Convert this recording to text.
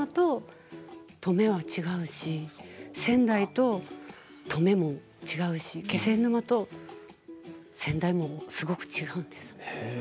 気仙沼と登米は違うし仙台と登米も違うし気仙沼と仙台もすごく違うんです。